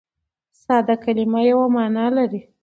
ساده کلیمه یوه مانا لري.